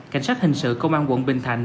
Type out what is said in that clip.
cảnh sát hình sự công an quận bình thạnh